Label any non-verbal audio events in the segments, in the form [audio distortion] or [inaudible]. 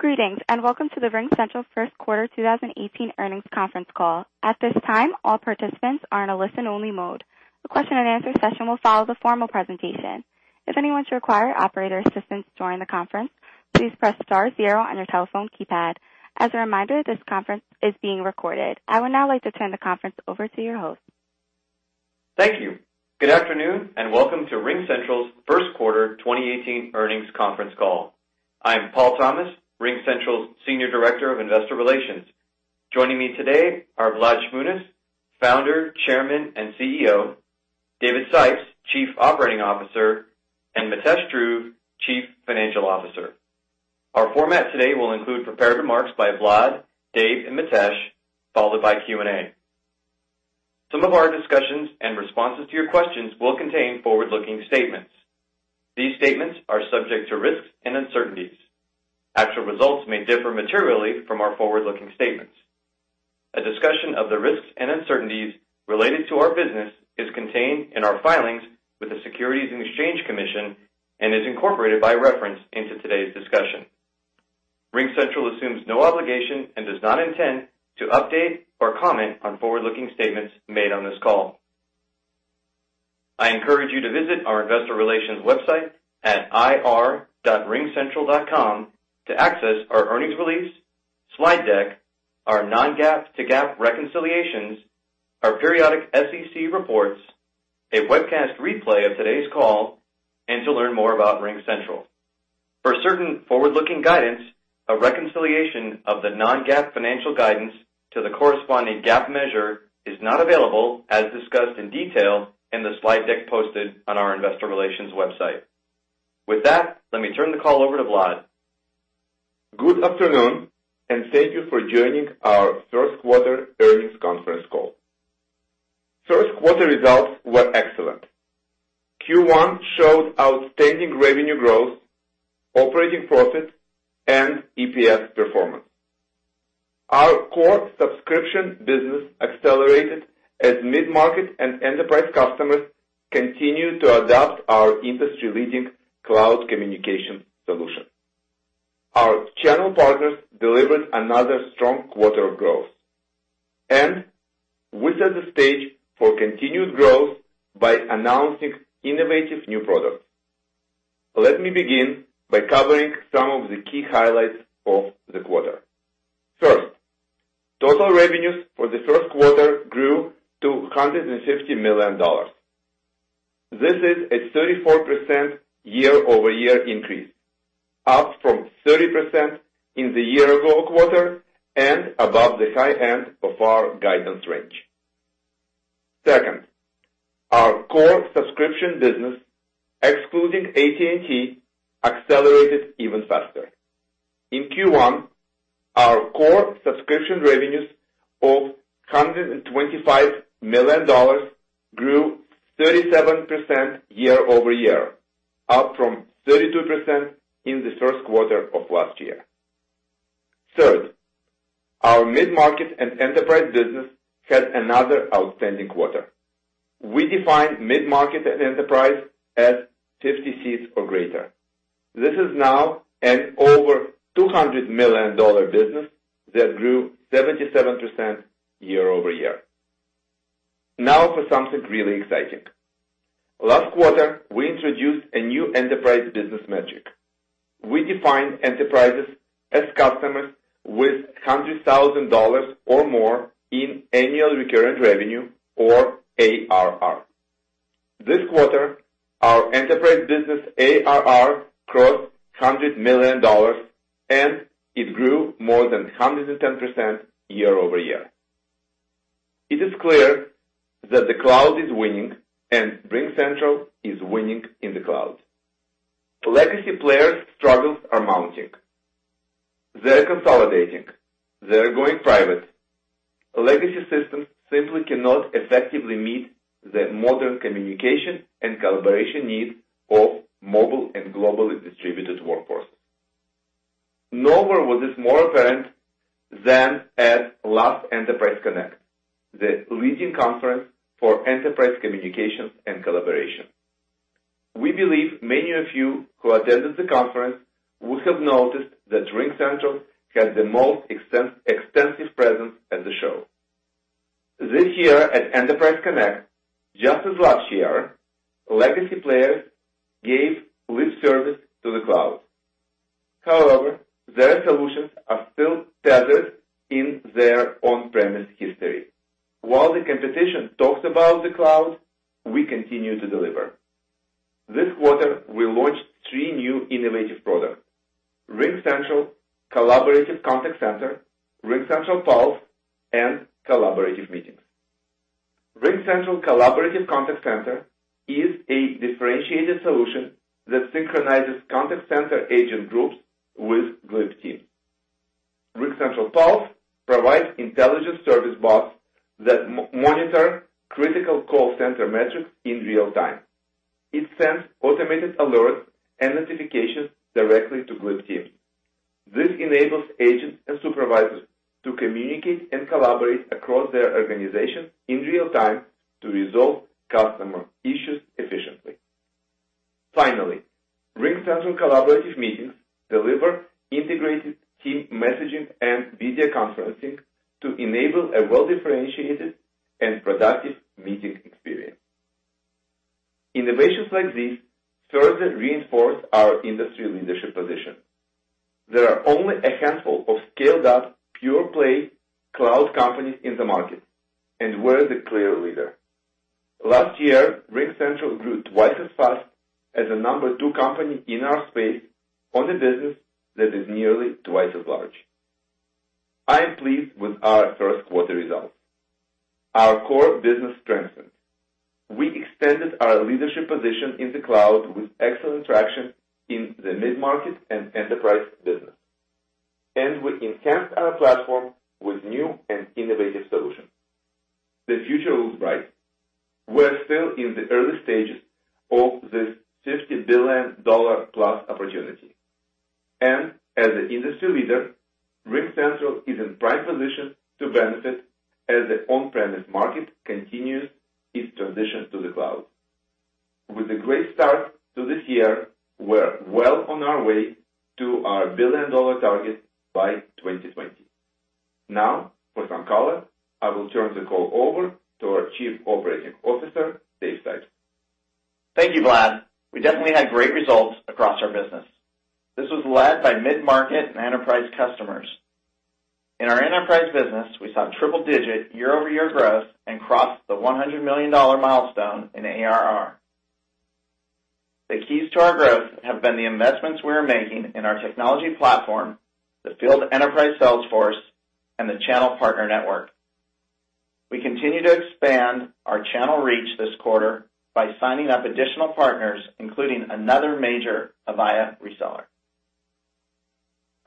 Greetings, welcome to the RingCentral first quarter 2018 earnings conference call. At this time, all participants are in a listen-only mode. A question and answer session will follow the formal presentation. If anyone should require operator assistance during the conference, please press star zero on your telephone keypad. As a reminder, this conference is being recorded. I would now like to turn the conference over to your host. Thank you. Good afternoon, welcome to RingCentral's first quarter 2018 earnings conference call. I am Paul Thomas, RingCentral's Senior Director of Investor Relations. Joining me today are Vlad Shmunis, Founder, Chairman, and CEO, David Sipes, Chief Operating Officer, and Mitesh Dhruv, Chief Financial Officer. Our format today will include prepared remarks by Vlad, Dave, and Mitesh, followed by Q&A. Some of our discussions and responses to your questions will contain forward-looking statements. These statements are subject to risks and uncertainties. Actual results may differ materially from our forward-looking statements. A discussion of the risks and uncertainties related to our business is contained in our filings with the Securities and Exchange Commission and is incorporated by reference into today's discussion. RingCentral assumes no obligation and does not intend to update or comment on forward-looking statements made on this call. I encourage you to visit our investor relations website at ir.ringcentral.com to access our earnings release, slide deck, our non-GAAP to GAAP reconciliations, our periodic SEC reports, a webcast replay of today's call, and to learn more about RingCentral. For certain forward-looking guidance, a reconciliation of the non-GAAP financial guidance to the corresponding GAAP measure is not available, as discussed in detail in the slide deck posted on our investor relations website. With that, let me turn the call over to Vlad. Good afternoon, thank you for joining our first quarter earnings conference call. First quarter results were excellent. Q1 showed outstanding revenue growth, operating profit, and EPS performance. Our core subscription business accelerated as mid-market and enterprise customers continue to adopt our industry-leading cloud communication solution. Our channel partners delivered another strong quarter of growth. We set the stage for continued growth by announcing innovative new products. Let me begin by covering some of the key highlights of the quarter. First, total revenues for the first quarter grew to $150 million. This is a 34% year-over-year increase, up from 30% in the year-ago quarter and above the high end of our guidance range. Second, our core subscription business, excluding AT&T, accelerated even faster. In Q1, our core subscription revenues of $125 million grew 37% year-over-year, up from 32% in the first quarter of last year. Third, our mid-market and enterprise business had another outstanding quarter. We define mid-market and enterprise as 50 seats or greater. This is now an over $200 million business that grew 77% year-over-year. For something really exciting. Last quarter, we introduced a new enterprise business metric. We define enterprises as customers with $100,000 or more in annual recurring revenue or ARR. This quarter, our enterprise business ARR crossed $100 million, and it grew more than 110% year-over-year. It is clear that the cloud is winning, and RingCentral is winning in the cloud. Legacy players' struggles are mounting. They're consolidating. They're going private. Legacy systems simply cannot effectively meet the modern communication and collaboration needs of mobile and globally distributed workforce. Nowhere was this more apparent than at last Enterprise Connect, the leading conference for enterprise communications and collaboration. We believe many of you who attended the conference would have noticed that RingCentral had the most extensive presence at the show. This year at Enterprise Connect, just as last year, legacy players gave lip service to the cloud. Their solutions are still tethered in their on-premise history. While the competition talks about the cloud, we continue to deliver. This quarter, we launched three new innovative products, RingCentral Collaborative Contact Center, RingCentral Pulse, and Collaborative Meetings. RingCentral Collaborative Contact Center is a differentiated solution that synchronizes contact center agent groups with Glip team. RingCentral Pulse provides intelligent service bots that monitor critical call center metrics in real time. It sends automated alerts and notifications directly to Glip team. This enables agents and supervisors to communicate and collaborate across their organization in real time to resolve customer issues efficiently. RingCentral Collaborative Meetings deliver integrated team messaging and video conferencing to enable a well-differentiated and productive meeting experience. Innovations like these further reinforce our industry leadership position. There are only a handful of scaled-up pure-play cloud companies in the market, and we're the clear leader. Last year, RingCentral grew twice as fast as the number two company in our space on a business that is nearly twice as large. I am pleased with our first quarter results. Our core business strengthened. We extended our leadership position in the cloud with excellent traction in the mid-market and enterprise business, and we enhanced our platform with new and innovative solutions. The future looks bright. We're still in the early stages of this $50 billion plus opportunity, and as an industry leader, RingCentral is in prime position to benefit as the on-premise market continues its transition to the cloud. With a great start to this year, we're well on our way to our billion-dollar target by 2020. For some color, I will turn the call over to our Chief Operating Officer, David Sipes. Thank you, Vlad. We definitely had great results across our business. This was led by mid-market and enterprise customers. In our enterprise business, we saw triple-digit year-over-year growth and crossed the $100 million milestone in ARR. The keys to our growth have been the investments we are making in our technology platform, the field enterprise sales force, and the channel partner network. We continue to expand our channel reach this quarter by signing up additional partners, including another major Avaya reseller.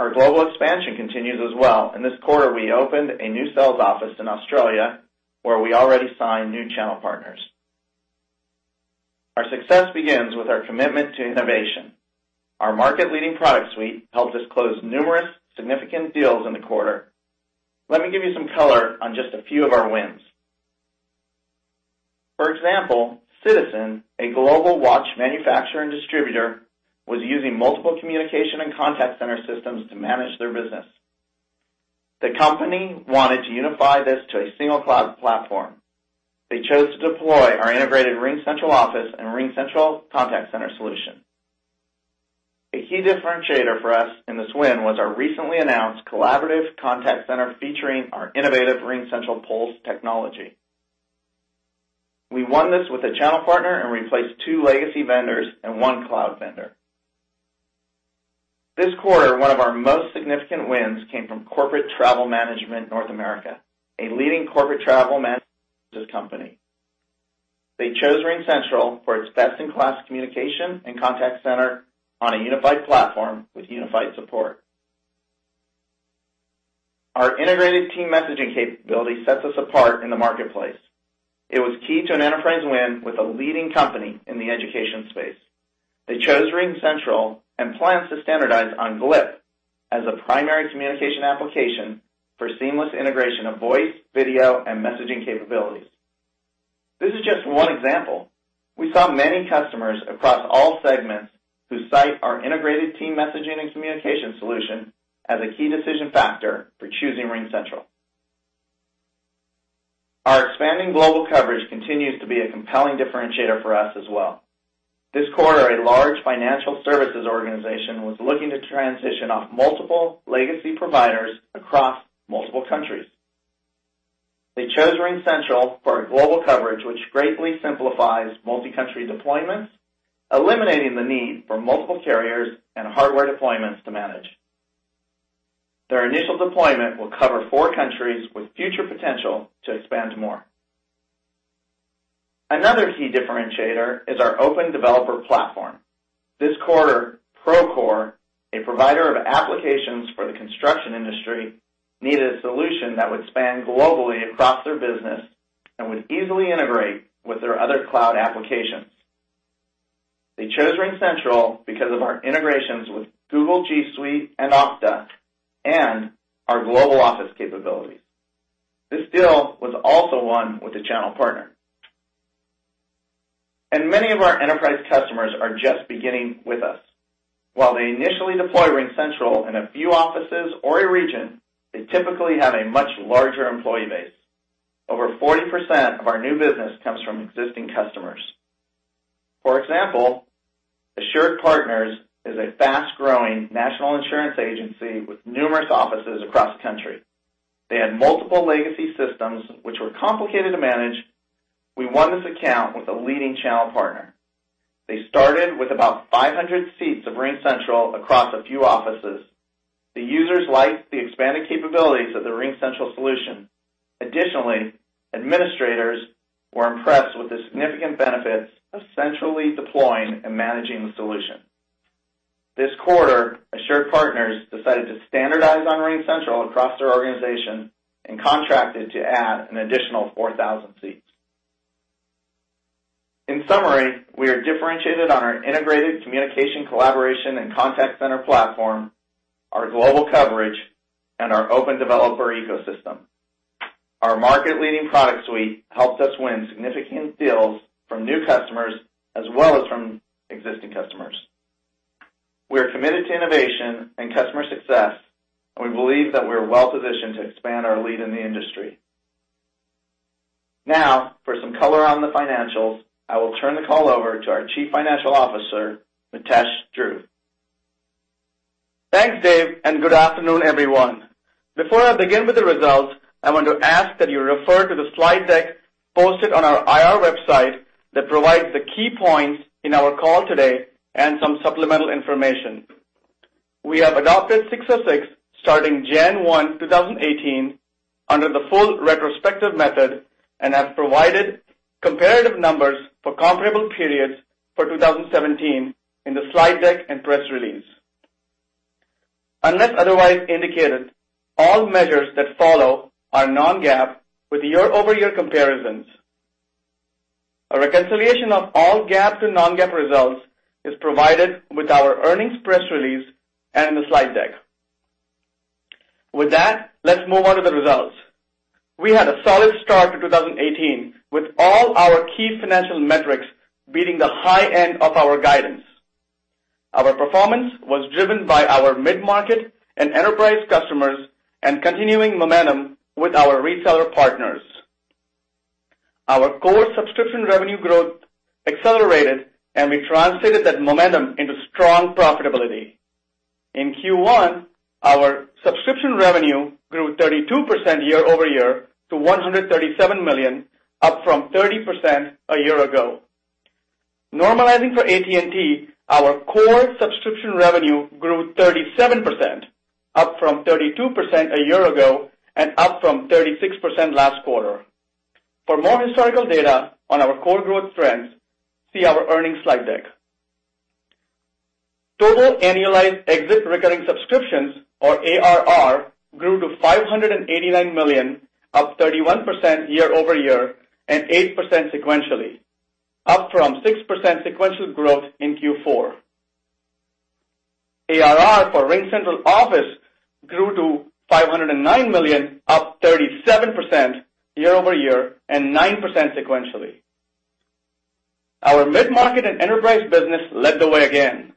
Our global expansion continues as well. In this quarter, we opened a new sales office in Australia, where we already signed new channel partners. Our success begins with our commitment to innovation. Our market-leading product suite helped us close numerous significant deals in the quarter. Let me give you some color on just a few of our wins. For example, Citizen, a global watch manufacturer and distributor, was using multiple communication and contact center systems to manage their business. The company wanted to unify this to a single cloud platform. They chose to deploy our integrated RingCentral Office and RingCentral Contact Center solution. A key differentiator for us in this win was our recently announced collaborative contact center featuring our innovative RingCentral Pulse technology. We won this with a channel partner and replaced two legacy vendors and one cloud vendor. This quarter, one of our most significant wins came from Corporate Travel Management North America, a leading corporate travel management company. They chose RingCentral for its best-in-class communication and contact center on a unified platform with unified support. Our integrated team messaging capability sets us apart in the marketplace. It was key to an enterprise win with a leading company in the education space. They chose RingCentral and plans to standardize on Glip as a primary communication application for seamless integration of voice, video, and messaging capabilities. This is just one example. We saw many customers across all segments who cite our integrated team messaging and communication solution as a key decision factor for choosing RingCentral. Our expanding global coverage continues to be a compelling differentiator for us as well. This quarter, a large financial services organization was looking to transition off multiple legacy providers across multiple countries. They chose RingCentral for our global coverage, which greatly simplifies multi-country deployments, eliminating the need for multiple carriers and hardware deployments to manage. Their initial deployment will cover four countries with future potential to expand more. Another key differentiator is our open developer platform. This quarter, Procore, a provider of applications for the construction industry, needed a solution that would span globally across their business and would easily integrate with their other cloud applications. They chose RingCentral because of our integrations with Google G-Suite and Okta and our global office capabilities. This deal was also won with a channel partner. Many of our enterprise customers are just beginning with us. While they initially deploy RingCentral in a few offices or a region, they typically have a much larger employee base. Over 40% of our new business comes from existing customers. For example, AssuredPartners is a fast-growing national insurance agency with numerous offices across the country. They had multiple legacy systems, which were complicated to manage. We won this account with a leading channel partner. They started with about 500 seats of RingCentral across a few offices. The users liked the expanded capabilities of the RingCentral solution. Additionally, administrators were impressed with the significant benefits of centrally deploying and managing the solution. This quarter, AssuredPartners decided to standardize on RingCentral across their organization and contracted to add an additional 4,000 seats. In summary, we are differentiated on our integrated communication, collaboration, and contact center platform, our global coverage, and our open developer ecosystem. Our market-leading product suite helps us win significant deals from new customers as well as from existing customers. We're committed to innovation and customer success, and we believe that we're well-positioned to expand our lead in the industry. Now, for some color on the financials, I will turn the call over to our Chief Financial Officer, Mitesh Dhruv. Thanks, Dave, and good afternoon, everyone. Before I begin with the results, I want to ask that you refer to the slide deck posted on our IR website that provides the key points in our call today and some supplemental information. We have adopted 606 starting January 1, 2018, under the full retrospective method and have provided comparative numbers for comparable periods for 2017 in the slide deck and press release. Unless otherwise indicated, all measures that follow are non-GAAP with year-over-year comparisons. A reconciliation of all GAAP to non-GAAP results is provided with our earnings press release and in the slide deck. With that, let's move on to the results. We had a solid start to 2018, with all our key financial metrics beating the high end of our guidance. Our performance was driven by our mid-market and enterprise customers and continuing momentum with our reseller partners. Our core subscription revenue growth accelerated, and we translated that momentum into strong profitability. In Q1, our subscription revenue grew 32% year-over-year to $137 million, up from 30% a year ago. Normalizing for AT&T, our core subscription revenue grew 37%, up from 32% a year ago and up from 36% last quarter. For more historical data on our core growth trends, see our earnings slide deck. Total annualized exit recurring subscriptions, or ARR, grew to $589 million, up 31% year-over-year and 8% sequentially, up from 6% sequential growth in Q4. ARR for RingCentral Office grew to $509 million, up 37% year-over-year and 9% sequentially. Our mid-market and enterprise business led the way again.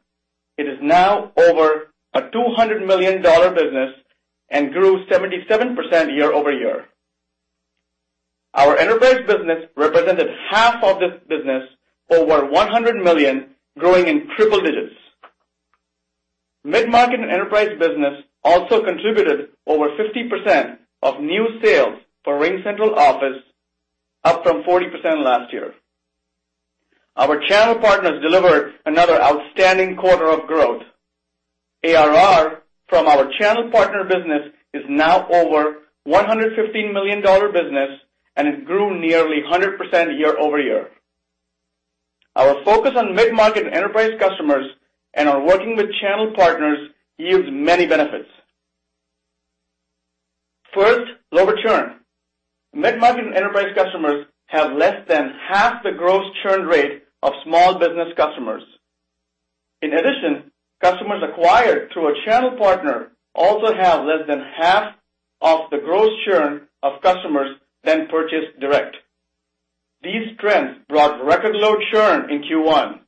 It is now over a $200 million business and grew 77% year-over-year. Our enterprise business represented half of this business, over $100 million, growing in triple digits. Mid-market and enterprise business also contributed over 50% of new sales for RingCentral Office, up from 40% last year. Our channel partners delivered another outstanding quarter of growth. ARR from our channel partner business is now over a $115 million business, and it grew nearly 100% year-over-year. Our focus on mid-market and enterprise customers and on working with channel partners yields many benefits. First, lower churn. Mid-market and enterprise customers have less than half the gross churn rate of small business customers. In addition, customers acquired through a channel partner also have less than half of the gross churn of customers than purchased direct. These trends brought record low churn in Q1.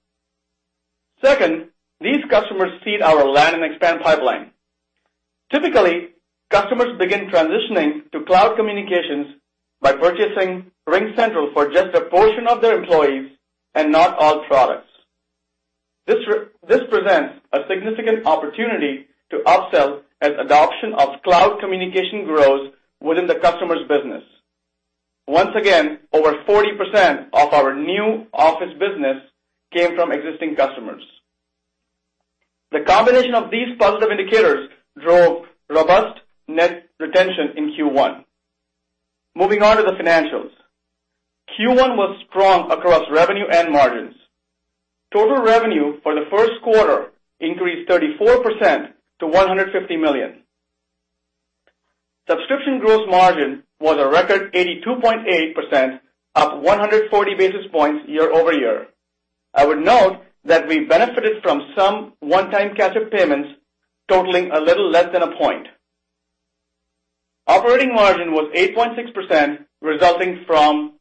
Second, these customers feed our land and expand pipeline. Typically, customers begin transitioning to cloud communications by purchasing RingCentral for just a portion of their employees and not all products. This presents a significant opportunity to upsell as adoption of cloud communication grows within the customer's business. Once again, over 40% of our new Office business came from existing customers. The combination of these positive indicators drove robust net retention in Q1. Moving on to the financials. Q1 was strong across revenue and margins. Total revenue for the first quarter increased 34% to $150 million. Subscription gross margin was a record 82.8%, up 140 basis points year-over-year. I would note that we benefited from some one-time catch-up payments totaling a little less than a point. Operating margin was 8.6%, resulting from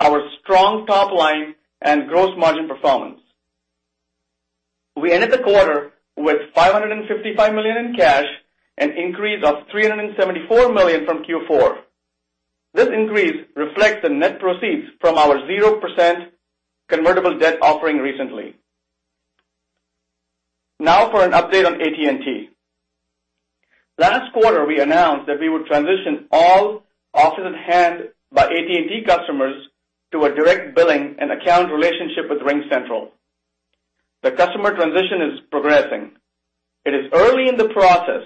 our strong top line and gross margin performance. We ended the quarter with $555 million in cash, an increase of $374 million from Q4. This increase reflects the net proceeds from our 0% convertible debt offering recently. Now for an update on AT&T. Last quarter, we announced that we would transition all offices handled by AT&T customers to a direct billing and account relationship with RingCentral. The customer transition is progressing. It is early in the process,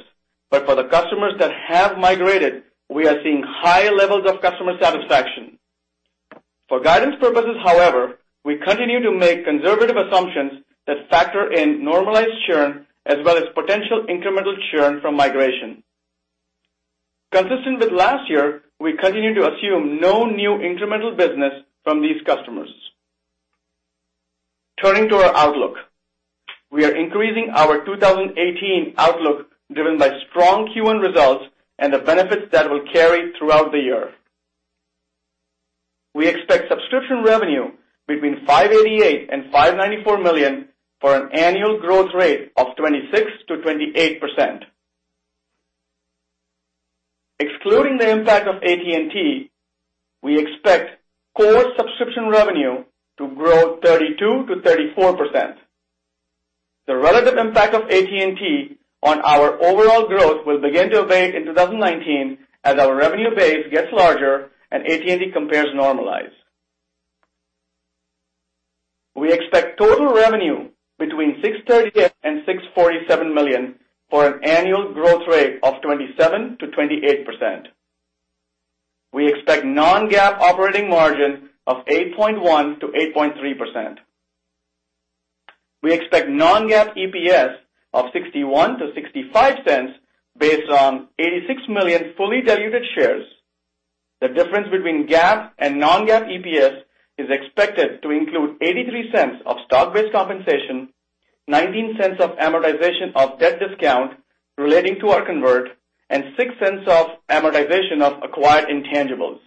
but for the customers that have migrated, we are seeing high levels of customer satisfaction. For guidance purposes, however, we continue to make conservative assumptions that factor in normalized churn as well as potential incremental churn from migration. Consistent with last year, we continue to assume no new incremental business from these customers. Turning to our outlook. We are increasing our 2018 outlook driven by strong Q1 results and the benefits that will carry throughout the year. We expect subscription revenue between $588 million and $594 million, for an annual growth rate of 26%-28%. Excluding the impact of AT&T, we expect core subscription revenue to grow 32%-34%. The relative impact of AT&T on our overall growth will begin to abate in 2019 as our revenue base gets larger and AT&T compares normalize. We expect total revenue between $638 million and $647 million for an annual growth rate of 27%-28%. We expect non-GAAP operating margin of 8.1%-8.3%. We expect non-GAAP EPS of $0.61-$0.65 based on 86 million fully diluted shares. The difference between GAAP and non-GAAP EPS is expected to include $0.83 of stock-based compensation, $0.19 of amortization of debt discount relating to our convert, and $0.06 of amortization of acquired intangibles.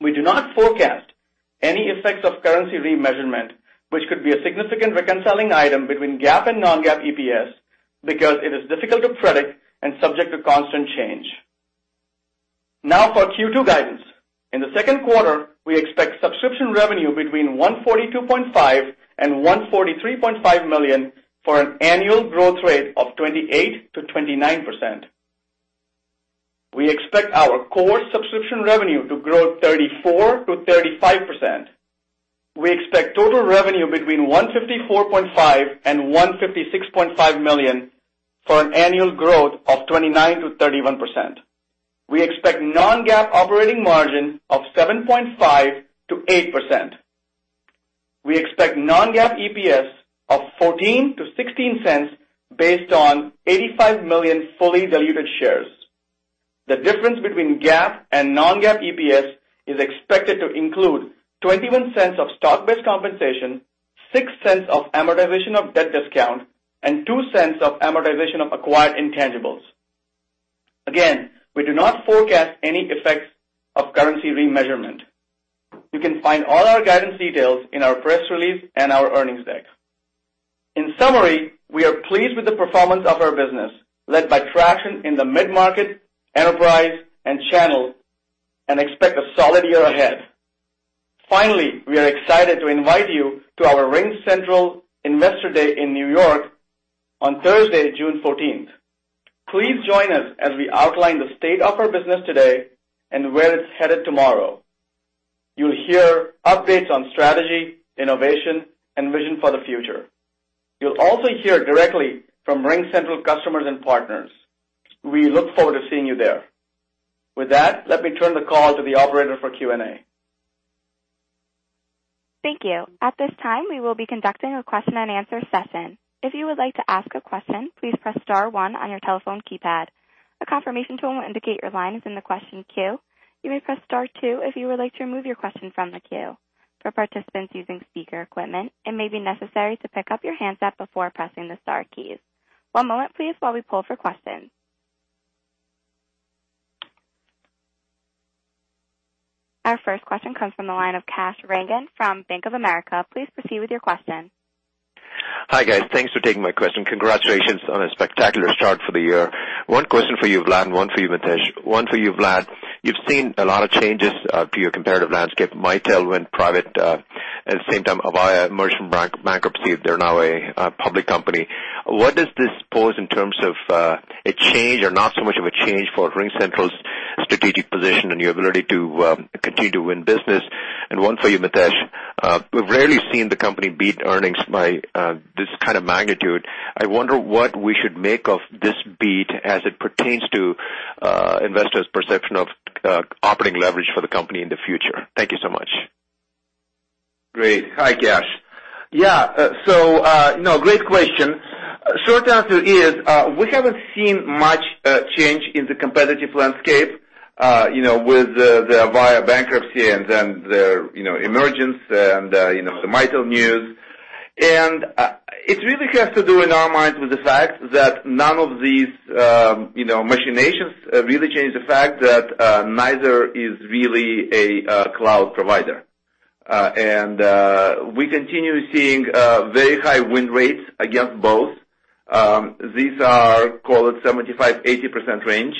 We do not forecast any effects of currency remeasurement, which could be a significant reconciling item between GAAP and non-GAAP EPS because it is difficult to predict and subject to constant change. Now for Q2 guidance. In the second quarter, we expect subscription revenue between $142.5 million and $143.5 million for an annual growth rate of 28%-29%. We expect our core subscription revenue to grow 34%-35%. We expect total revenue between $154.5 million and $156.5 million for an annual growth of 29%-31%. We expect non-GAAP operating margin of 7.5%-8%. We expect non-GAAP EPS of $0.14-$0.16 based on 85 million fully diluted shares. The difference between GAAP and non-GAAP EPS is expected to include $0.21 of stock-based compensation, $0.06 of amortization of debt discount, and $0.02 of amortization of acquired intangibles. Again, we do not forecast any effects of currency remeasurement. You can find all our guidance details in our press release and our earnings deck. In summary, we are pleased with the performance of our business, led by traction in the mid-market, enterprise, and channel, and expect a solid year ahead. Finally, we are excited to invite you to our RingCentral Investor Day in New York on Thursday, June 14th. Please join us as we outline the state of our business today and where it's headed tomorrow. You'll hear updates on strategy, innovation, and vision for the future. You'll also hear directly from RingCentral customers and partners. We look forward to seeing you there. With that, let me turn the call to the operator for Q&A. Thank you. At this time, we will be conducting a question and answer session. If you would like to ask a question, please press star one on your telephone keypad. A confirmation tone will indicate your line is in the question queue. You may press star two if you would like to remove your question from the queue. For participants using speaker equipment, it may be necessary to pick up your handset before pressing the star keys. One moment please, while we pull for questions. Our first question comes from the line of Kash Rangan from Bank of America. Please proceed with your question. Hi, guys. Thanks for taking my question. Congratulations on a spectacular start for the year. One question for you, Vlad, and one for you, Mitesh. One for you, Vlad. You've seen a lot of changes to your competitive landscape, Mitel went private, at the same time, Avaya emerged from bankruptcy. They're now a public company. What does this pose in terms of a change or not so much of a change for RingCentral's strategic position and your ability to continue to win business? One for you, Mitesh. We've rarely seen the company beat earnings by this kind of magnitude. I wonder what we should make of this beat as it pertains to investors' perception of operating leverage for the company in the future. Thank you so much. Great. Hi, Kash. Yeah. Great question. Short answer is, we haven't seen much change in the competitive landscape with the Avaya bankruptcy and then their emergence, and the Mitel news. It really has to do, in our minds, with the fact that none of these machinations really change the fact that neither is really a cloud provider. We continue seeing very high win rates against both. These are call it 75%-80% range.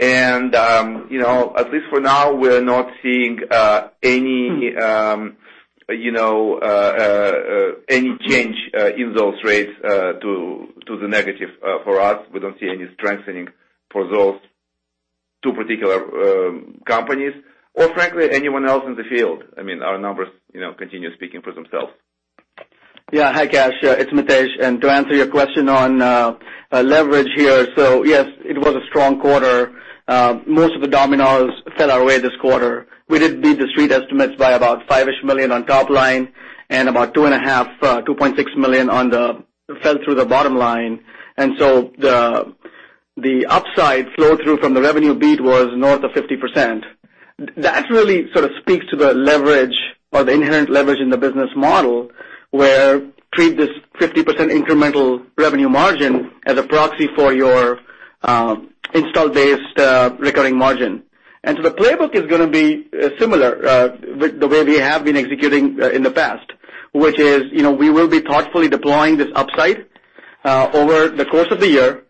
At least for now, we're not seeing any change in those rates to the negative for us. We don't see any strengthening for those two particular companies, or frankly, anyone else in the field. Our numbers continue speaking for themselves. Yeah. Hi, Kash. It's Mitesh, and to answer your question on leverage here. Yes, it was a strong quarter. Most of the dominoes fell our way this quarter. We did beat the street estimates by about five-ish million on top line, and about two and a half million, $2.6 million fell through the bottom line. The upside flow through from the revenue beat was north of 50%. That really sort of speaks to the leverage or the inherent leverage in the business model, where treat this 50% incremental revenue margin as a proxy for your install-based recurring margin. The playbook is going to be similar with the way we have been executing in the past. Which is, we will be thoughtfully deploying this upside over the course of the year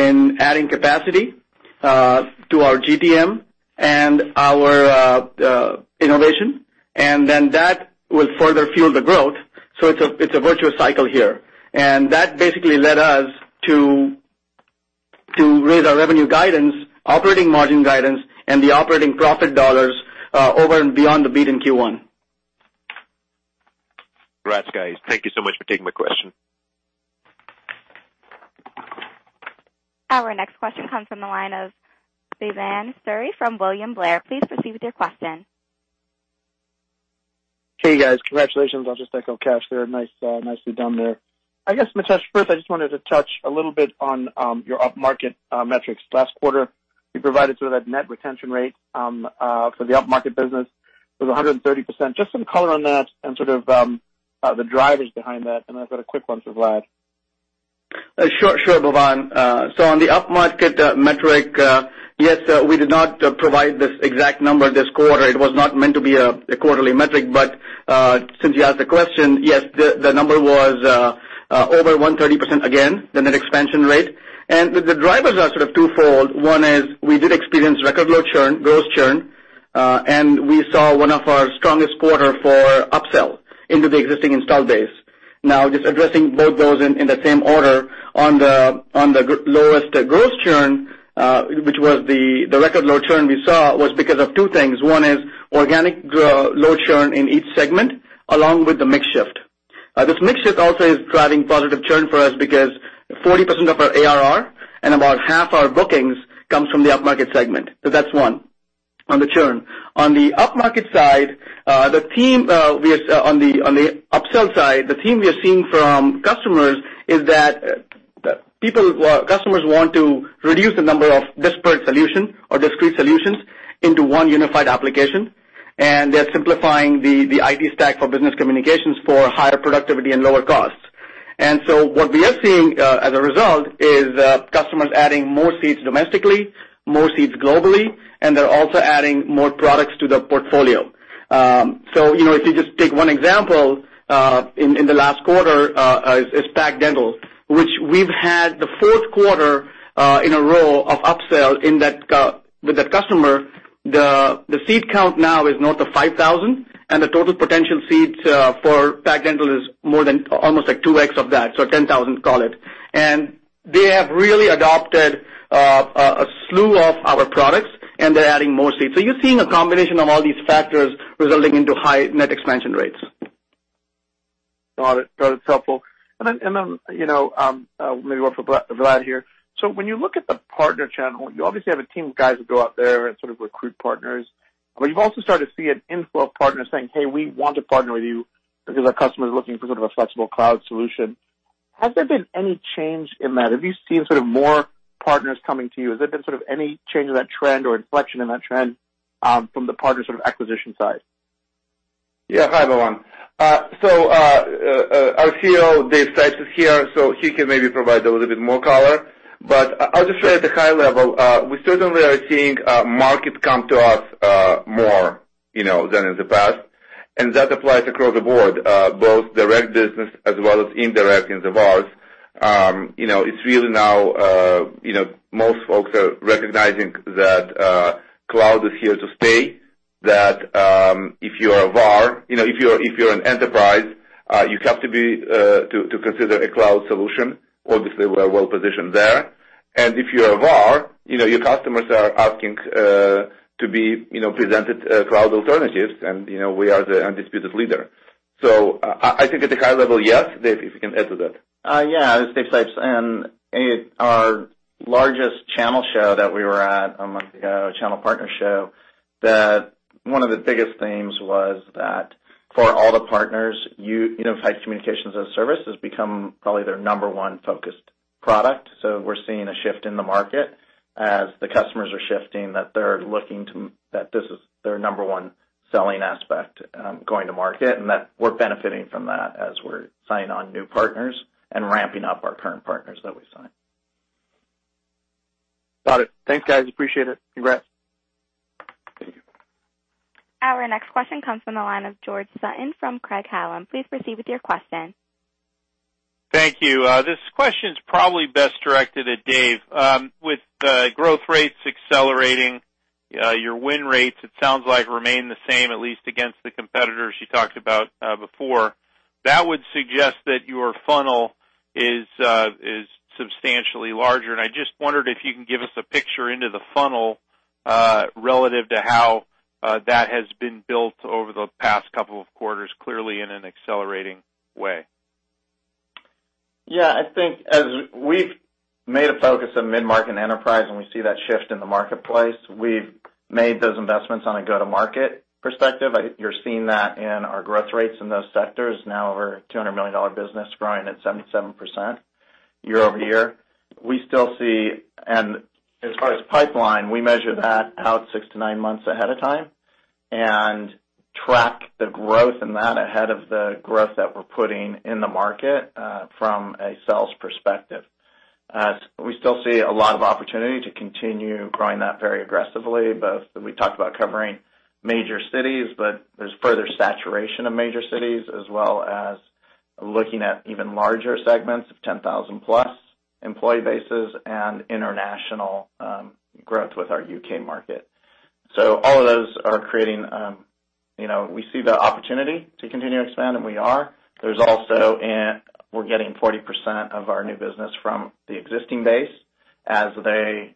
in adding capacity to our GTM and our innovation, and then that will further fuel the growth. It's a virtuous cycle here, and that basically led us to raise our revenue guidance, operating margin guidance, and the operating profit dollars over and beyond the beat in Q1. Congrats, guys. Thank you so much for taking my question. Our next question comes from the line of Bhavan Suri from William Blair. Please proceed with your question. Hey, guys. Congratulations. I'll just echo Kash there. Nicely done there. I guess, Mitesh, first, I just wanted to touch a little bit on your upmarket metrics. Last quarter, you provided sort of that net retention rate for the upmarket business. It was 130%. Just some color on that and sort of the drivers behind that. I've got a quick one for Vlad. Sure, Bhavan. On the upmarket metric, yes, we did not provide this exact number this quarter. It was not meant to be a quarterly metric. Since you asked the question, yes, the number was over 130% again, the net expansion rate. The drivers are sort of twofold. One is we did experience record low churn, gross churn, and we saw one of our strongest quarter for upsell into the existing installed base. Now, just addressing both those in the same order, on the lowest gross churn, which was the record low churn we saw, was because of two things. One is organic low churn in each segment, along with the mix shift. This mix shift also is driving positive churn for us because 40% of our ARR and about half our bookings comes from the upmarket segment. That's one on the churn. On the upsell side, the theme we are seeing from customers is that customers want to reduce the number of disparate solutions or discrete solutions into one unified application, and they're simplifying the IT stack for business communications for higher productivity and lower costs. What we are seeing, as a result, is customers adding more seats domestically, more seats globally, and they're also adding more products to their portfolio. If you just take one example, in the last quarter, is Pacific Dental, which we've had the fourth quarter in a row of upsell with that customer. The seat count now is north of 5,000, and the total potential seats for Pacific Dental is more than almost like 2x of that, so 10,000, call it. They have really adopted a slew of our products, and they're adding more seats. You're seeing a combination of all these factors resulting into high net expansion rates. Got it. That's helpful. Maybe one for Vlad here. When you look at the partner channel, you obviously have a team of guys who go out there and sort of recruit partners. You've also started to see an inflow of partners saying, "Hey, we want to partner with you because our customers are looking for sort of a flexible cloud solution." Has there been any change in that? Have you seen sort of more partners coming to you? Has there been sort of any change in that trend or inflection in that trend from the partner sort of acquisition side? Hi, Bhavan. Our CEO, Dave Sipes, is here, so he can maybe provide a little bit more color. I'll just say at the high level, we certainly are seeing markets come to us more than in the past, and that applies across the board, both direct business as well as indirect in the vars. It's really now most folks are recognizing that cloud is here to stay, that if you're an enterprise, you have to consider a cloud solution. Obviously, we are well positioned there. If you're a var, your customers are asking to be presented cloud alternatives, and we are the undisputed leader. I think at the high level, yes. Dave, if you can add to that. This is Dave Sipes. Our largest channel show that we were at a month ago, a channel partner show, one of the biggest themes was that for all the partners, unified communications as a service has become probably their number 1 focused product. We're seeing a shift in the market as the customers are shifting, that this is their number 1 selling aspect going to market, and that we're benefiting from that as we're signing on new partners and ramping up our current partners that we signed. Got it. Thanks, guys. Appreciate it. Congrats. Thank you. Our next question comes from the line of George Sutton from Craig-Hallum. Please proceed with your question. Thank you. This question's probably best directed at Dave. With growth rates accelerating, your win rates, it sounds like, remain the same, at least against the competitors you talked about before. That would suggest that your funnel is substantially larger, and I just wondered if you can give us a picture into the funnel, relative to how that has been built over the past couple of quarters, clearly in an accelerating way. Yeah, I think as we've made a focus on mid-market and enterprise, and we see that shift in the marketplace, we've made those investments on a go-to-market perspective. You're seeing that in our growth rates in those sectors, now over $200 million business growing at 77% year-over-year. We still see, and as far as pipeline, we measure that out six to nine months ahead of time and track the growth in that ahead of the growth that we're putting in the market from a sales perspective. We still see a lot of opportunity to continue growing that very aggressively, both we talked about covering major cities, but there's further saturation of major cities as well as looking at even larger segments of 10,000-plus employee bases and international growth with our U.K. market. All of those are creating, we see the opportunity to continue to expand, and we are. We're getting 40% of our new business from the existing base as Mitesh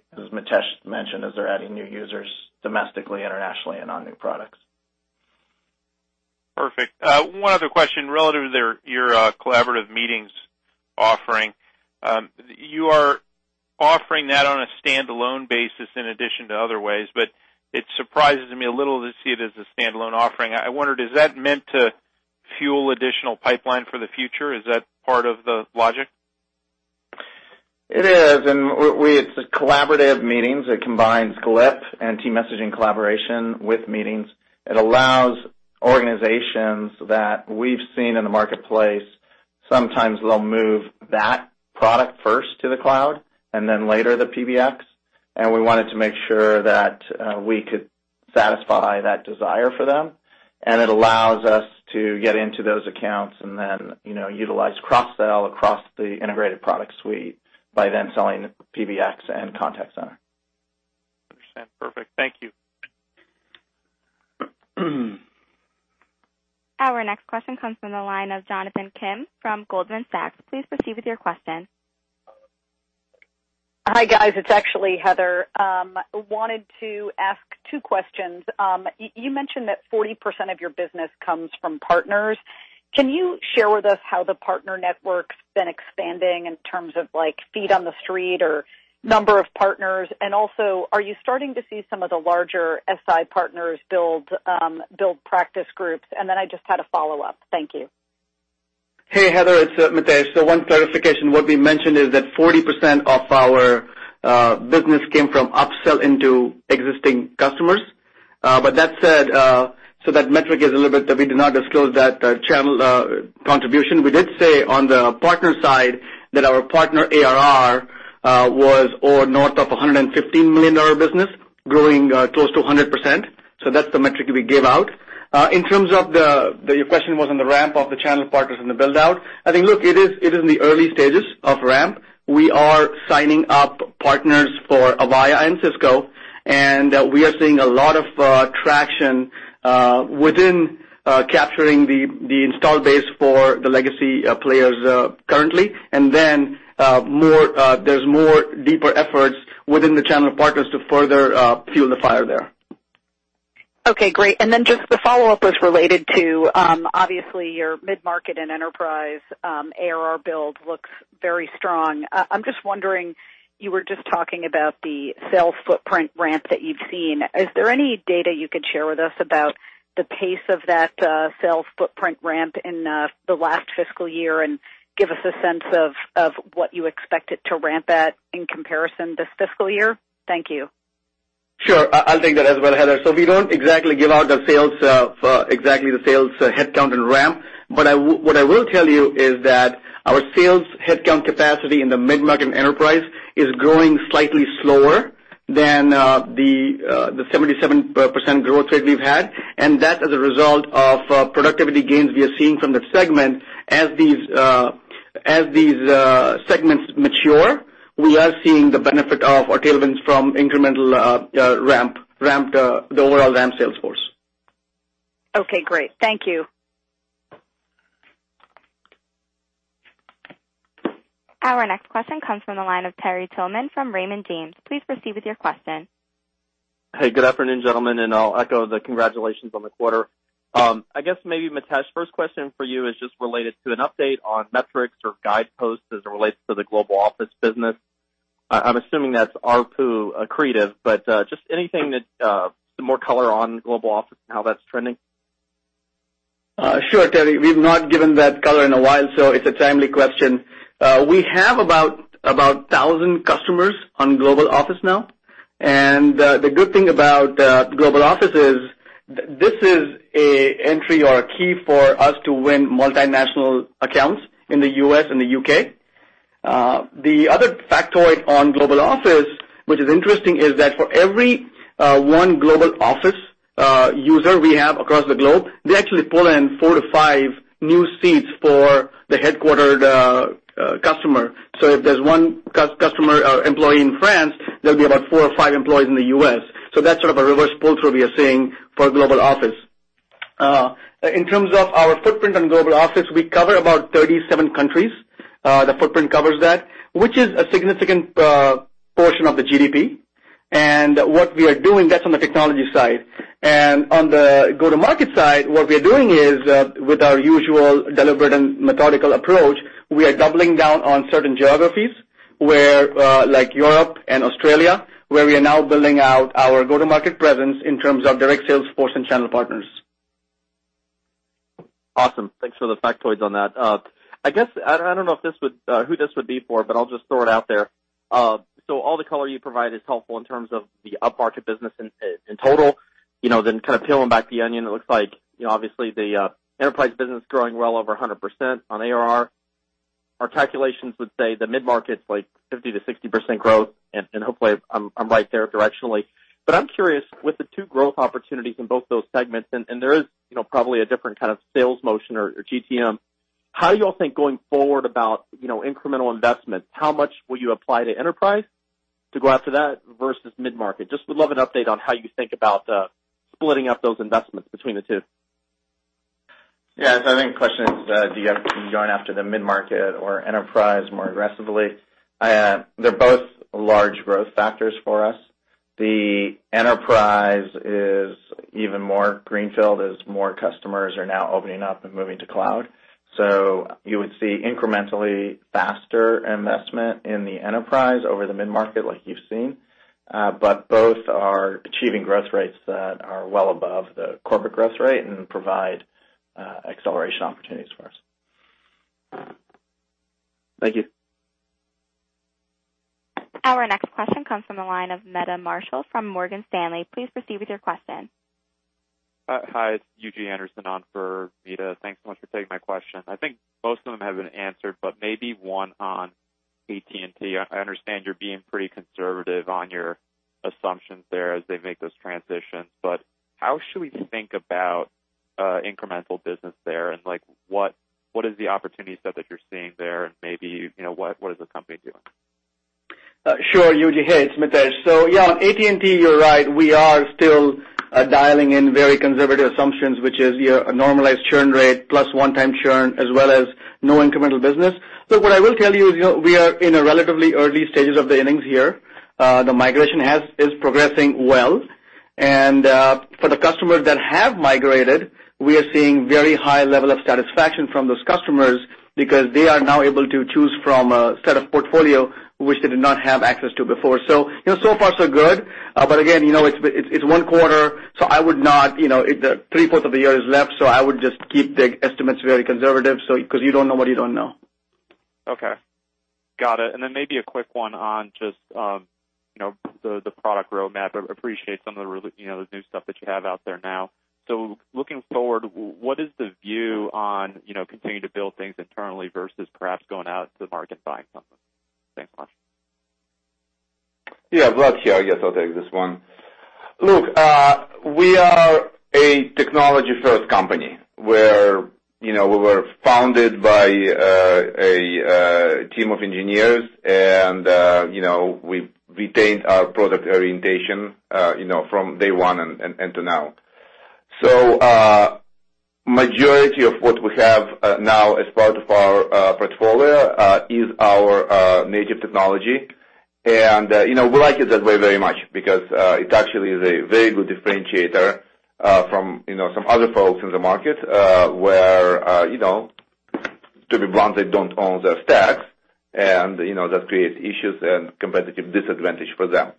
mentioned, as they're adding new users domestically, internationally, and on new products. Perfect. One other question relative to your collaborative meetings offering. You are offering that on a standalone basis in addition to other ways, but it surprises me a little to see it as a standalone offering. I wondered, is that meant to fuel additional pipeline for the future? Is that part of the logic? It is. It's collaborative meetings. It combines Glip and team messaging collaboration with meetings. It allows organizations that we've seen in the marketplace, sometimes they'll move that product first to the cloud and then later the PBX. We wanted to make sure that we could satisfy that desire for them. It allows us to get into those accounts and then utilize cross-sell across the integrated product suite by then selling PBX and Contact Center. Understand. Perfect. Thank you. Our next question comes from the line of Jonathan Kim from Goldman Sachs. Please proceed with your question. Hi, guys. It's actually Heather. I wanted to ask two questions. You mentioned that 40% of your business comes from partners. Can you share with us how the partner network's been expanding in terms of feet on the street or number of partners? Also, are you starting to see some of the larger SI partners build practice groups? I just had a follow-up. Thank you. Hey, Heather, it's Mitesh. One clarification. What we mentioned is that 40% of our business came from upsell into existing customers. That said, that metric is a little bit that we do not disclose that channel contribution. We did say on the partner side that our partner ARR was north of $115 million business, growing close to 100%. That's the metric we gave out. In terms of your question on the ramp of the channel partners and the build-out. I think, look, it is in the early stages of ramp. We are signing up partners for Avaya and Cisco, and we are seeing a lot of traction within capturing the installed base for the legacy players currently. There's more deeper efforts within the channel partners to further fuel the fire there. Okay, great. Just the follow-up was related to, obviously, your mid-market and enterprise ARR build looks very strong. I'm just wondering, you were just talking about the sales footprint ramp that you've seen. Is there any data you could share with us about the pace of that sales footprint ramp in the last fiscal year and give us a sense of what you expect it to ramp at in comparison this fiscal year? Thank you. Sure. I'll take that as well, Heather. We don't exactly give out the sales headcount and ramp, but what I will tell you is that our sales headcount capacity in the mid-market and enterprise is growing slightly slower than the 77% growth rate we've had, and that is a result of productivity gains we are seeing from the segment. As these segments mature, we are seeing the benefit of our tailwinds from incremental ramp, the overall ramp sales force. Okay, great. Thank you. Our next question comes from the line of Terry Tillman from Raymond James. Please proceed with your question. Hey, good afternoon, gentlemen. I'll echo the congratulations on the quarter. I guess maybe Mitesh, first question for you is just related to an update on metrics or guideposts as it relates to the Global Office business. I'm assuming that's ARPU accretive, but just anything that, some more color on Global Office and how that's trending. Sure, Terry. We've not given that color in a while, so it's a timely question. We have about 1,000 customers on RingCentral Global Office now, the good thing about RingCentral Global Office is this is an entry or a key for us to win multinational accounts in the U.S. and the U.K. The other factoid on RingCentral Global Office, which is interesting, is that for every one RingCentral Global Office user we have across the globe, they actually pull in four to five new seats for the headquartered customer. If there's one customer or employee in France, there'll be about four or five employees in the U.S. That's sort of a reverse pull-through we are seeing for RingCentral Global Office. In terms of our footprint on RingCentral Global Office, we cover about 37 countries. The footprint covers that, which is a significant portion of the GDP. What we are doing, that's on the technology side. On the go-to-market side, what we are doing is, with our usual deliberate and methodical approach, we are doubling down on certain geographies like Europe and Australia, where we are now building out our go-to-market presence in terms of direct sales force and channel partners. Awesome. Thanks for the factoids on that. I guess, I don't know who this would be for, but I'll just throw it out there. All the color you provide is helpful in terms of the upmarket business in total. Kind of peeling back the onion, it looks like, obviously, the enterprise business growing well over 100% on ARR. Our calculations would say the mid-market's like 50%-60% growth, hopefully I'm right there directionally. I'm curious, with the two growth opportunities in both those segments, and there is probably a different kind of sales motion or GTM, how do you all think going forward about incremental investment? How much will you apply to enterprise to go after that versus mid-market? Just would love an update on how you think about splitting up those investments between the two. Yeah. I think the question is, do you guys keep going after the mid-market or enterprise more aggressively? They're both large growth factors for us. The enterprise is even more greenfield as more customers are now opening up and moving to cloud. You would see incrementally faster investment in the enterprise over the mid-market like you've seen. Both are achieving growth rates that are well above the corporate growth rate and provide acceleration opportunities for us. Thank you. Our next question comes from the line of Meta Marshall from Morgan Stanley. Please proceed with your question. Hi, it's Eugenie Anderson on for Meta. Thanks so much for taking my question. I think most of them have been answered. Maybe one on AT&T. I understand you're being pretty conservative on your assumptions there as they make those transitions, but how should we think about incremental business there, and what is the opportunity set that you're seeing there, and maybe what is the company doing? Sure, Eugenie. Hey, it's Mitesh. Yeah, on AT&T, you're right, we are still dialing in very conservative assumptions, which is your normalized churn rate plus one-time churn, as well as no incremental business. What I will tell you is we are in a relatively early stages of the innings here. The migration is progressing well, and for the customers that have migrated, we are seeing very high level of satisfaction from those customers because they are now able to choose from a set of portfolio which they did not have access to before. So far so good. Again, it's one quarter, three-fourth of the year is left, so I would just keep the estimates very conservative because you don't know what you don't know. Okay. Got it. Maybe a quick one on just the product roadmap. I appreciate some of the new stuff that you have out there now. Looking forward, what is the view on continuing to build things internally versus perhaps going out to the market buying something? Thanks much. Yeah. Vlad here. I guess I'll take this one. We are a technology-first company where we were founded by a team of engineers, and we've retained our product orientation from day one and to now. Majority of what we have now as part of our portfolio is our native technology. We like it that way very much because it actually is a very good differentiator from some other folks in the market, where to be blunt, they don't own their stacks, and that creates issues and competitive disadvantage for them.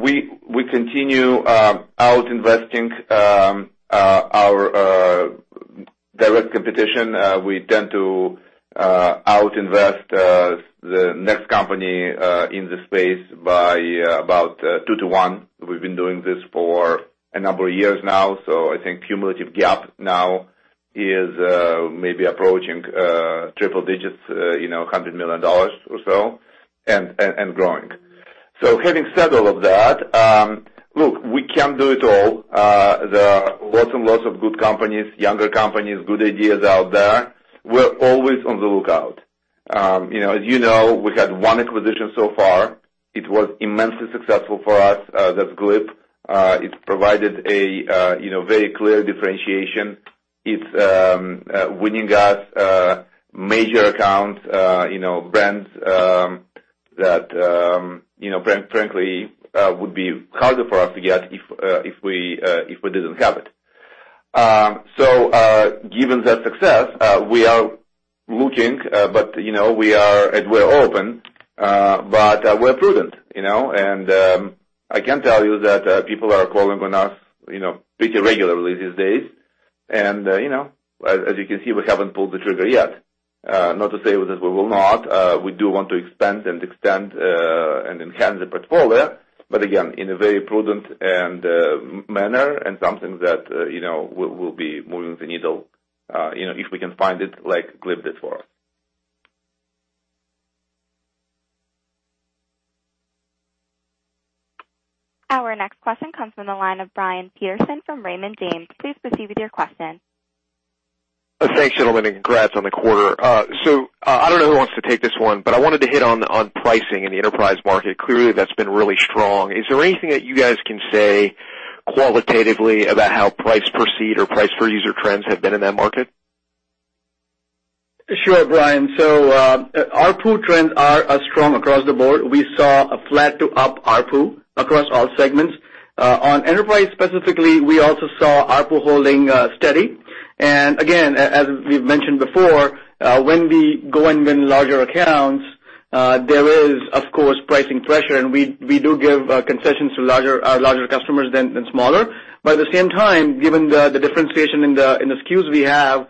We continue out-investing our direct competition. We tend to out-invest the next company in the space by about two to one. We've been doing this for a number of years now. I think cumulative gap now is maybe approaching triple digits, $100 million or so, and growing. Having said all of that, we can't do it all. There are lots and lots of good companies, younger companies, good ideas out there. We're always on the lookout. As you know, we had one acquisition so far. It was immensely successful for us. That's Glip. It's provided a very clear differentiation. It's winning us major accounts, brands that frankly would be harder for us to get if we didn't have it. Given that success, we are looking, and we're open, but we're prudent. I can tell you that people are calling on us pretty regularly these days, and as you can see, we haven't pulled the trigger yet. Not to say that we will not. We do want to expand and extend and enhance the portfolio, but again, in a very prudent manner and something that will be moving the needle if we can find it like Glip did for us. Our next question comes from the line of Brian Peterson from Raymond James. Please proceed with your question. Thanks, gentlemen, and congrats on the quarter. I don't know who wants to take this one, but I wanted to hit on pricing in the enterprise market. Clearly, that's been really strong. Is there anything that you guys can say qualitatively about how price per seat or price per user trends have been in that market? Sure, Brian. ARPU trends are strong across the board. We saw a flat to up ARPU across all segments. On enterprise specifically, we also saw ARPU holding steady. Again, as we've mentioned before, when we go and win larger accounts, there is of course pricing pressure, and we do give concessions to larger customers than smaller. At the same time, given the differentiation in the SKUs we have,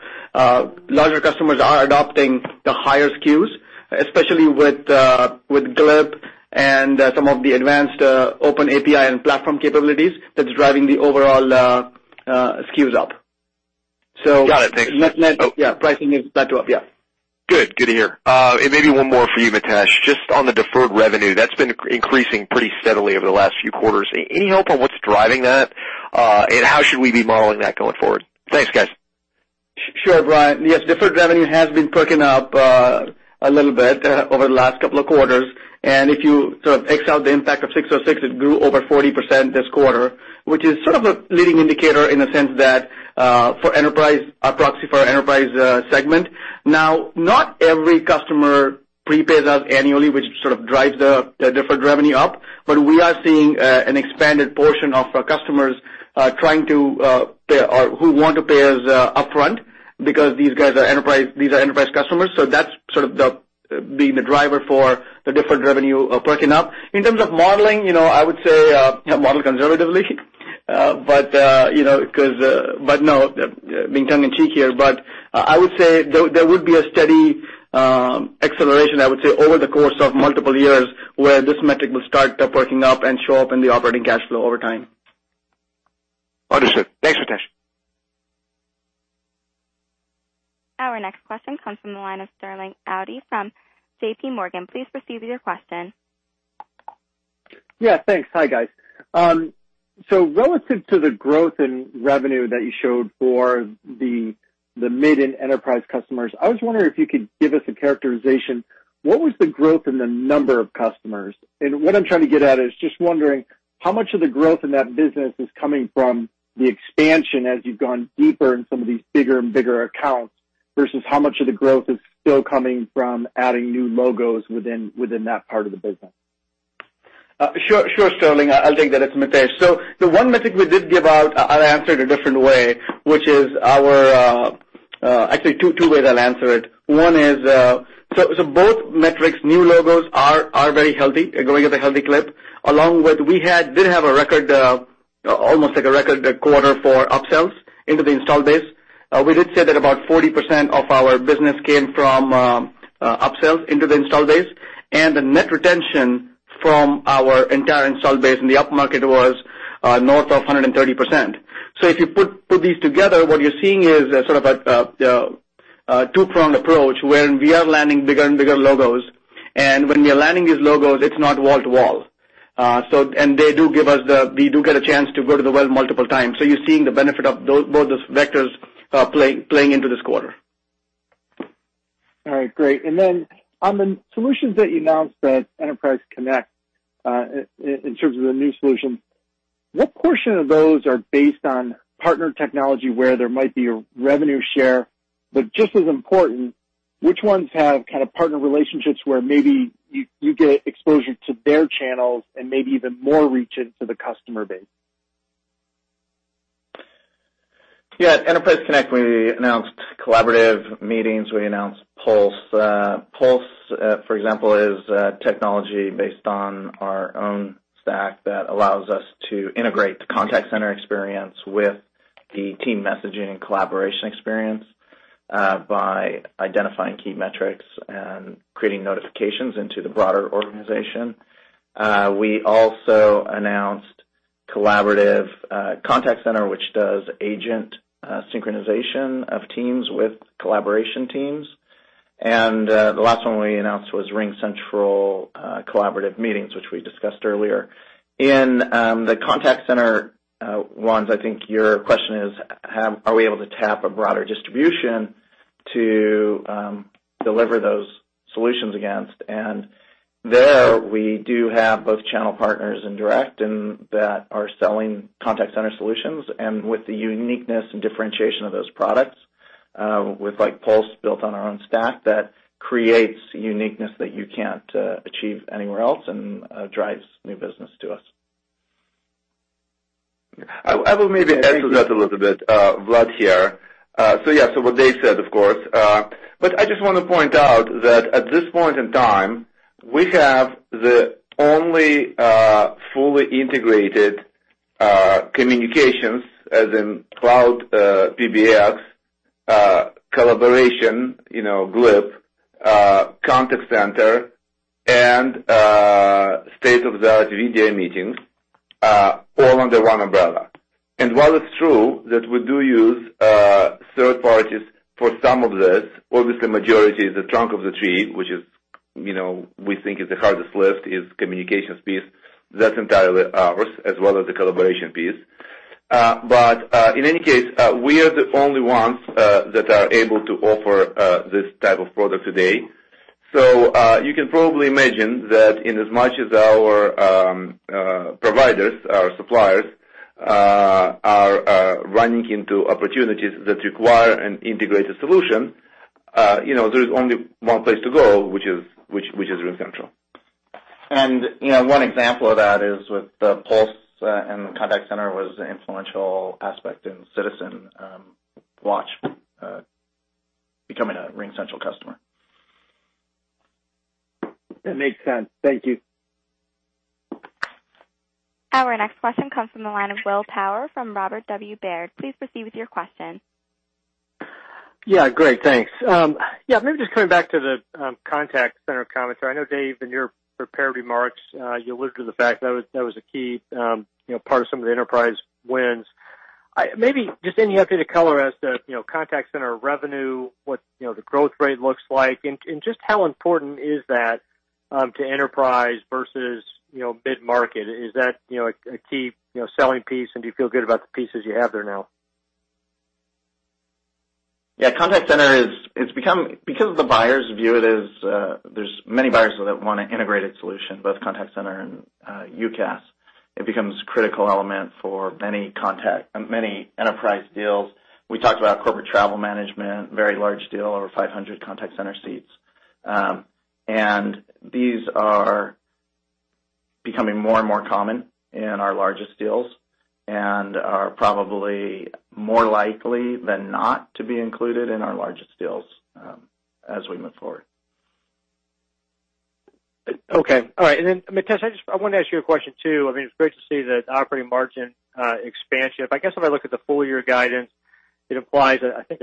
larger customers are adopting the higher SKUs, especially with Glip and some of the advanced open API and platform capabilities that's driving the overall SKUs up. Got it. Thanks. Net pricing is back to up. Yeah. Good to hear. Maybe one more for you, Mitesh, just on the deferred revenue. That's been increasing pretty steadily over the last few quarters. Any help on what's driving that? How should we be modeling that going forward? Thanks, guys. Sure, Brian. Yes, deferred revenue has been perking up a little bit over the last couple of quarters. If you sort of excel the impact of 606, it grew over 40% this quarter, which is sort of a leading indicator in the sense that for our proxy for our enterprise segment. Now, not every customer prepays us annually, which sort of drives the deferred revenue up. We are seeing an expanded portion of our customers trying to pay or who want to pay us upfront because these are enterprise customers. That's sort of being the driver for the deferred revenue perking up. In terms of modeling, I would say model conservatively. No, being tongue in cheek here. I would say there would be a steady acceleration, I would say, over the course of multiple years, where this metric will start perking up and show up in the operating cash flow over time. Understood. Thanks, Mitesh. Our next question comes from the line of Sterling Auty from JPMorgan. Please proceed with your question. Yeah, thanks. Hi, guys. Relative to the growth in revenue that you showed for the mid and enterprise customers, I was wondering if you could give us a characterization, what was the growth in the number of customers? What I'm trying to get at is just wondering how much of the growth in that business is coming from the expansion as you've gone deeper in some of these bigger and bigger accounts, versus how much of the growth is still coming from adding new logos within that part of the business? Sure, Sterling. I'll take that. It's Mitesh. The one metric we did give out, I'll answer it a different way. Actually, two ways I'll answer it. Both metrics, new logos are very healthy, are growing at a healthy clip, along with we did have almost like a record quarter for upsells into the install base. We did say that about 40% of our business came from upsells into the install base, and the net retention from our entire install base in the upmarket was north of 130%. If you put these together, what you're seeing is sort of a two-pronged approach where we are landing bigger and bigger logos. When we are landing these logos, it's not wall to wall. We do get a chance to go to the well multiple times. You're seeing the benefit of both those vectors playing into this quarter. All right, great. On the solutions that you announced at Enterprise Connect, in terms of the new solutions, what portion of those are based on partner technology where there might be a revenue share? Just as important, which ones have kind of partner relationships where maybe you get exposure to their channels and maybe even more reach into the customer base? Yeah. At Enterprise Connect, we announced Collaborative Meetings. We announced Pulse. Pulse, for example, is a technology based on our own stack that allows us to integrate the contact center experience with the team messaging and collaboration experience by identifying key metrics and creating notifications into the broader organization. We also announced RingCentral Collaborative Contact Center, which does agent synchronization of teams with collaboration teams. The last one we announced was RingCentral Collaborative Meetings, which we discussed earlier. In the Contact Center ones, I think your question is, are we able to tap a broader distribution to deliver those solutions against? There we do have both channel partners and direct, that are selling Contact Center solutions. With the uniqueness and differentiation of those products, with Pulse built on our own stack, that creates uniqueness that you can't achieve anywhere else and drives new business to us. I will maybe add to that a little bit, Vlad here. Yeah, what they said, of course. I just want to point out that at this point in time, we have the only fully integrated communications, as in cloud PBX, collaboration, Glip, Contact Center, and state-of-the-art video meetings, all under one umbrella. While it's true that we do use third parties for some of this, obviously, majority is the trunk of the tree, which we think is the hardest lift, is communications piece. That's entirely ours, as well as the collaboration piece. In any case, we are the only ones that are able to offer this type of product today. You can probably imagine that inasmuch as our providers, our suppliers are running into opportunities that require an integrated solution, there is only one place to go, which is RingCentral. One example of that is with the RingCentral Pulse and the contact center was the influential aspect in Citizen Watch becoming a RingCentral customer. That makes sense. Thank you. Our next question comes from the line of Will Power from Robert W. Baird. Please proceed with your question. Great. Thanks. Maybe just coming back to the contact center commentary. I know, Dave, in your prepared remarks, you alluded to the fact that was a key part of some of the enterprise wins. Maybe just any update or color as to contact center revenue, what the growth rate looks like, and just how important is that to enterprise versus mid-market. Is that a key selling piece, and do you feel good about the pieces you have there now? Contact center, because the buyers view it as there's many buyers that want an integrated solution, both contact center and UCaaS, it becomes a critical element for many enterprise deals. We talked about Corporate Travel Management, very large deal, over 500 contact center seats. These are becoming more and more common in our largest deals and are probably more likely than not to be included in our largest deals as we move forward. Okay. All right. Then, Mitesh, I just wanted to ask you a question, too. It's great to see the operating margin expansion. I guess if I look at the full-year guidance, it implies, I think,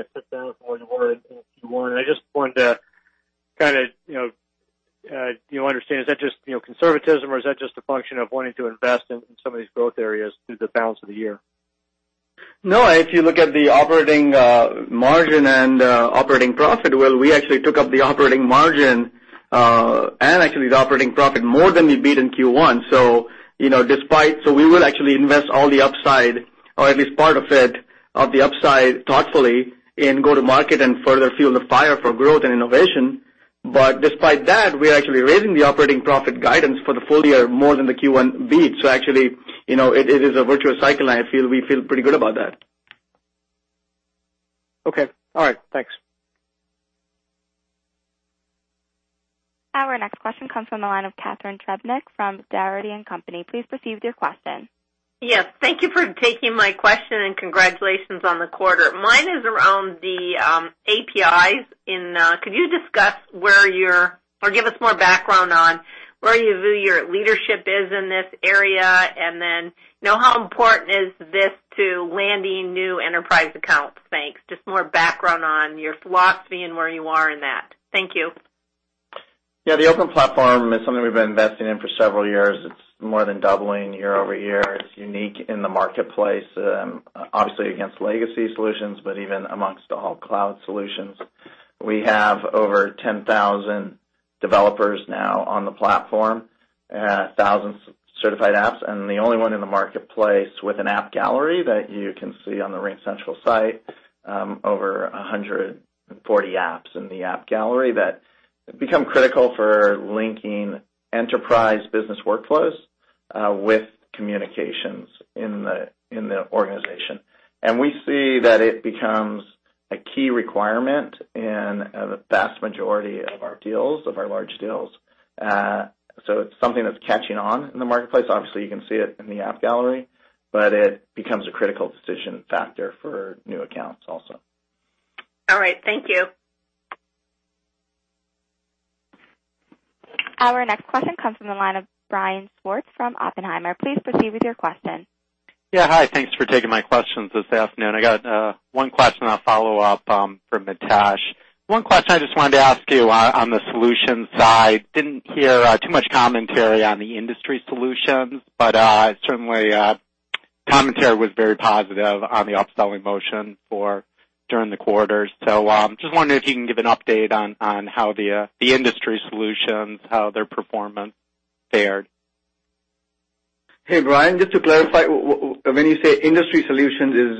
a. [audio distortion] I just wanted to kind of understand, is that just conservatism or is that just a function of wanting to invest in some of these growth areas through the balance of the year? No, if you look at the operating margin and operating profit, Will, we actually took up the operating margin and actually the operating profit more than we beat in Q1. We will actually invest all the upside or at least part of it, of the upside thoughtfully in go-to-market and further fuel the fire for growth and innovation. Despite that, we're actually raising the operating profit guidance for the full year more than the Q1 beat. Actually, it is a virtuous cycle, and we feel pretty good about that. Okay. All right. Thanks. Our next question comes from the line of Catharine Trebnick from Dougherty & Company. Please proceed with your question. Yes, thank you for taking my question and congratulations on the quarter. Mine is around the APIs. Could you discuss or give us more background on where your leadership is in this area, and then how important is this to landing new enterprise accounts? Thanks. Just more background on your philosophy and where you are in that. Thank you. The open platform is something we've been investing in for several years. It's more than doubling year-over-year. It's unique in the marketplace, obviously against legacy solutions, but even amongst all cloud solutions. We have over 10,000 developers now on the platform, thousands of certified apps, and the only one in the marketplace with an App Gallery that you can see on the RingCentral site, over 140 apps in the App Gallery that become critical for linking enterprise business workflows with communications in the organization. We see that it becomes a key requirement in the vast majority of our deals, of our large deals. It's something that's catching on in the marketplace. Obviously, you can see it in the App Gallery, but it becomes a critical decision factor for new accounts also. All right. Thank you. Our next question comes from the line of Brian Schwartz from Oppenheimer. Please proceed with your question. Yeah. Hi. Thanks for taking my questions this afternoon. I got one question I'll follow up for Mitesh. One question I just wanted to ask you on the solutions side, didn't hear too much commentary on the industry solutions, but certainly commentary was very positive on the up-selling motion during the quarter. Just wondering if you can give an update on how the industry solutions, how their performance fared. Hey, Brian, just to clarify, when you say industry solutions,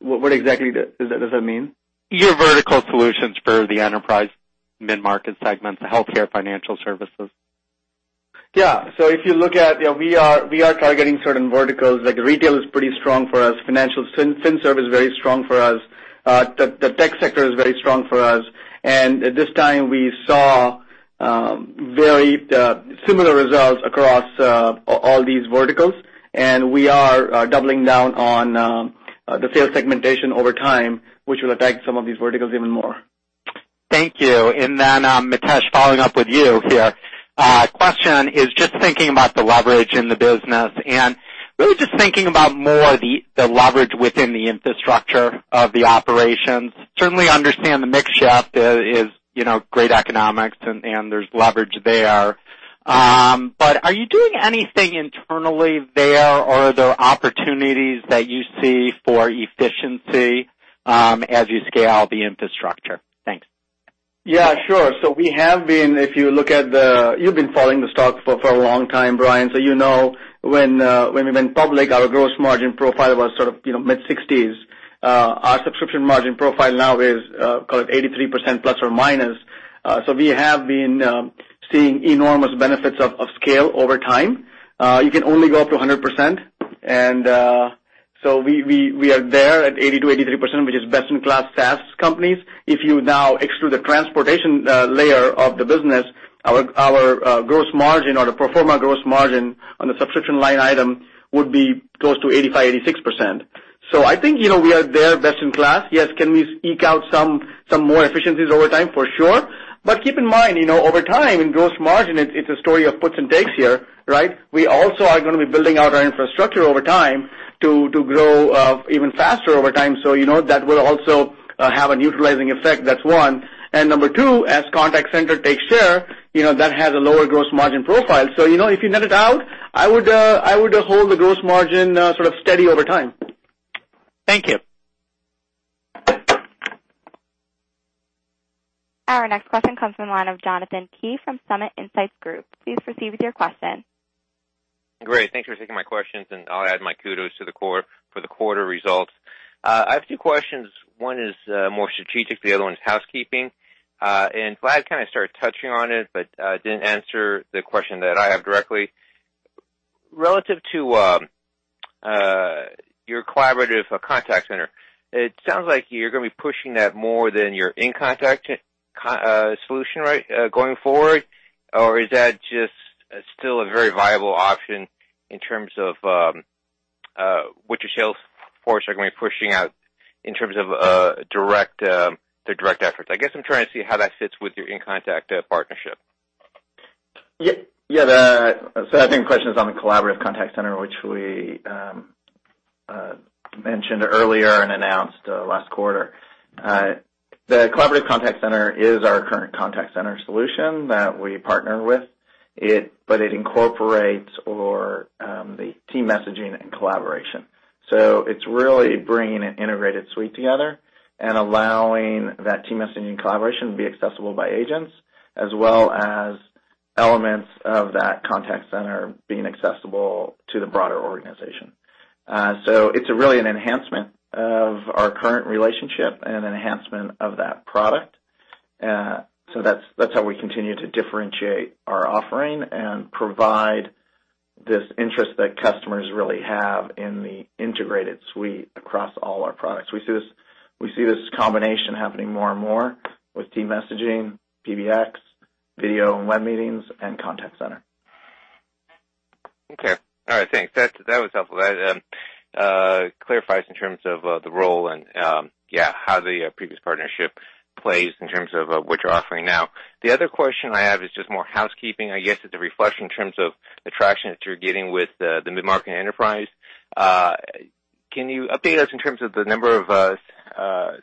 what exactly does that mean? Your vertical solutions for the enterprise mid-market segments, the healthcare financial services. Yeah. If you look at, we are targeting certain verticals, like retail is pretty strong for us. Financial, fin serve is very strong for us. The tech sector is very strong for us. This time we saw very similar results across all these verticals, and we are doubling down on the sales segmentation over time, which will attack some of these verticals even more. Thank you. Then Mitesh, following up with you here. Question is just thinking about the leverage in the business, and really just thinking about more the leverage within the infrastructure of the operations. Certainly understand the mix shift is great economics and there's leverage there. Are you doing anything internally there, or are there opportunities that you see for efficiency as you scale the infrastructure? Thanks. Yeah, sure. You've been following the stock for a long time, Brian, you know when we went public, our gross margin profile was sort of mid-60s. Our subscription margin profile now is, call it 83% plus or minus. We have been seeing enormous benefits of scale over time. You can only go up to 100%, and We are there at 80%-83%, which is best-in-class SaaS companies. If you now exclude the transportation layer of the business, our gross margin or the pro forma gross margin on the subscription line item would be close to 85%-86%. I think we are there best in class. Yes, can we eke out some more efficiencies over time? For sure. Keep in mind, over time, in gross margin, it's a story of puts and takes here, right? We also are going to be building out our infrastructure over time to grow even faster over time, so that will also have a neutralizing effect. That's one. Number two, as contact center takes share, that has a lower gross margin profile. If you net it out, I would hold the gross margin sort of steady over time. Thank you. Our next question comes from the line of Jonathan Kees from Summit Insights Group. Please proceed with your question. Great. Thanks for taking my questions, and I'll add my kudos to the core for the quarter results. I have two questions. One is more strategic, the other one is housekeeping. Vlad kind of started touching on it, but didn't answer the question that I have directly. Relative to your Collaborative Contact Center, it sounds like you're going to be pushing that more than your inContact solution going forward. Is that just still a very viable option in terms of what your sales force are going to be pushing out in terms of the direct efforts? I guess I'm trying to see how that fits with your inContact partnership. Yeah. I think the question is on the Collaborative Contact Center, which we mentioned earlier and announced last quarter. The Collaborative Contact Center is our current contact center solution that we partner with, but it incorporates the team messaging and collaboration. It's really bringing an integrated suite together and allowing that team messaging collaboration to be accessible by agents, as well as elements of that contact center being accessible to the broader organization. It's really an enhancement of our current relationship and an enhancement of that product. That's how we continue to differentiate our offering and provide this interest that customers really have in the integrated suite across all our products. We see this combination happening more and more with team messaging, PBX, video and web meetings, and contact center. Okay. All right, thanks. That was helpful. That clarifies in terms of the role and how the previous partnership plays in terms of what you're offering now. The other question I have is just more housekeeping, I guess, it's a reflection in terms of the traction that you're getting with the mid-market enterprise. Can you update us in terms of the number of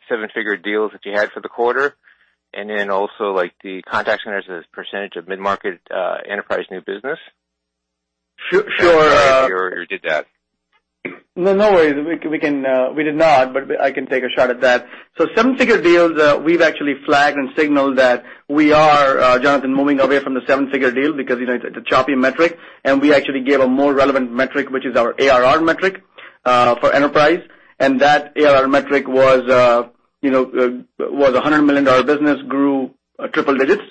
seven-figure deals that you had for the quarter, and then also, the contact centers as a percentage of mid-market enterprise new business? Sure. You did that? No worries. We did not, I can take a shot at that. Seven-figure deals, we've actually flagged and signaled that we are, Jonathan, moving away from the seven-figure deal because it's a choppy metric, and we actually gave a more relevant metric, which is our ARR metric for enterprise. That ARR metric was $100 million business, grew triple digits.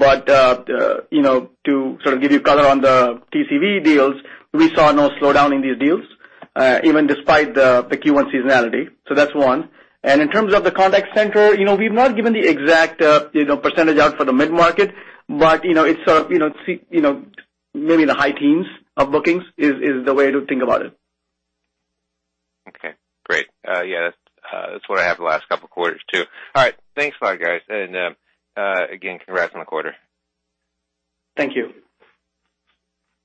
To sort of give you color on the TCV deals, we saw no slowdown in these deals, even despite the Q1 seasonality. That's one. In terms of the contact center, we've not given the exact percentage out for the mid-market, but it's sort of maybe in the high teens of bookings is the way to think about it. Okay, great. Yeah, that's what I have the last couple of quarters, too. All right. Thanks a lot, guys. Again, congrats on the quarter. Thank you.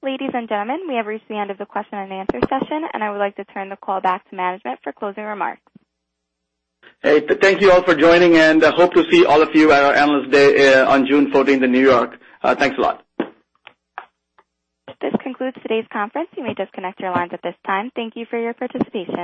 Ladies and gentlemen, we have reached the end of the question and answer session. I would like to turn the call back to management for closing remarks. Hey, thank you all for joining. Hope to see all of you at our Analyst Day on June 14th in New York. Thanks a lot. This concludes today's conference. You may disconnect your lines at this time. Thank you for your participation.